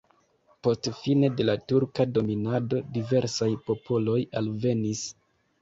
Post fine de la turka dominado diversaj popoloj alvenis.